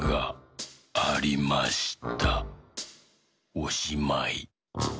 おしまい。